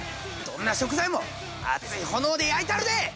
どんな食材も熱い炎で焼いたるで！